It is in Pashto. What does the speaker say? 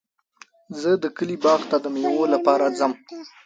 زه د کلي باغ ته د مېوو لپاره ځم.